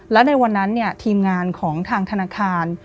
และในวันนั้นทีมงานของทางธนาคาร